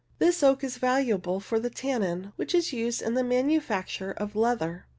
This oak is valuable for the tannin, 14. Red Oak. which is uscd iu the manufacture of leather (Fig.